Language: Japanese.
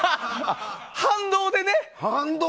反動でね。